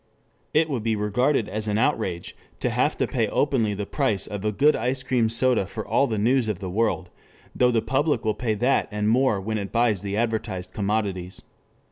It would be regarded as an outrage to have to pay openly the price of a good ice cream soda for all the news of the world, though the public will pay that and more when it buys the advertised commodities.